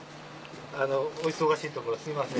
お忙しいところすいません。